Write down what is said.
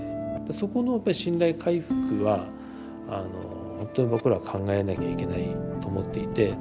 そこのやっぱ信頼回復はほんとに僕ら考えなきゃいけないと思っていて。